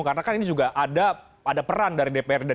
karena kan ini juga ada peran dari dprd